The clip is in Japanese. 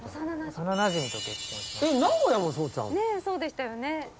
そうでしたよね。